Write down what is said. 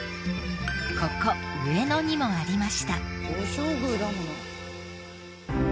ここ上野にもありました。